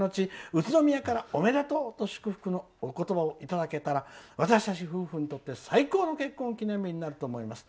宇都宮からおめでとうと祝福のお言葉をいただけたら私たち夫婦にとって最高の結婚記念日になると思います。